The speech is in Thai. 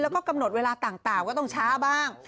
แล้วก็กำหนดเวลาต่างก็ต้องช้าบ้าง